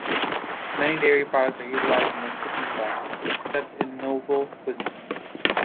Many dairy products are utilized in the cooking process, except in nouvelle cuisine.